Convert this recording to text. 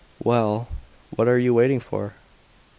"Well, what are you waiting for?"